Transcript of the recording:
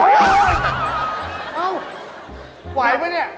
เอ้าไหวไหมนี่